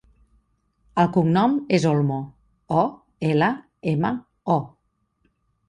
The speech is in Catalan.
El cognom és Olmo: o, ela, ema, o.